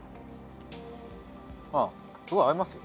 あぁすごい合いますよ。